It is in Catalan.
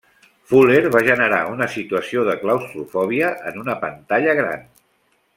Fuller va generar una situació de claustrofòbia en una pantalla gran.